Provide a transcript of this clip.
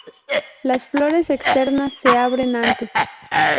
Las flores externas se abren antes.